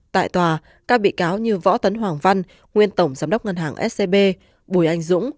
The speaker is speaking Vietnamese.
tại tòa các bị cáo như võ tấn hoàng văn nguyên tổng giám đốc ngân hàng scb bùi anh dũng